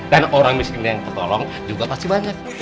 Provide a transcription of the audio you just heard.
dan orang miskin yang tertolong juga pasti banyak